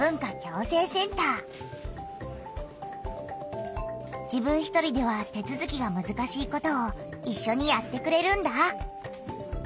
まど口が自分一人では手つづきがむずかしいことをいっしょにやってくれるんだ。